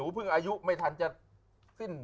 แฟนก็อยู่ตรงนี้